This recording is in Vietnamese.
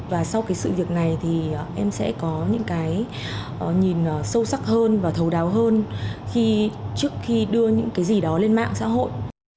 và sau cái sự việc này thì em sẽ có những cái nhìn sâu sắc hơn và thầu đáo hơn trước khi đưa những cái gì đó lên mạng xã hội